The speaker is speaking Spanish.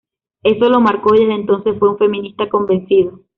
Eso lo marcó y desde entonces fue un feminista convencido.